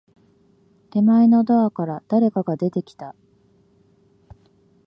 手前のドアから、誰かが出てきた。